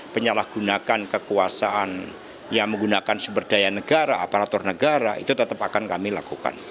penyalahgunakan kekuasaan yang menggunakan sumber daya negara aparatur negara itu tetap akan kami lakukan